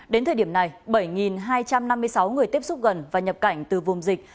đến thời điểm này bảy hai trăm năm mươi sáu người tiếp xúc gần và nhập cảnh từ vùng dịch